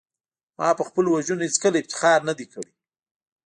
ما په خپلو وژنو هېڅکله افتخار نه دی کړی